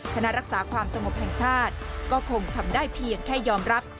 คณะรักษาความสงบแห่งชาติก็คงทำได้เพียงแค่ยอมรับ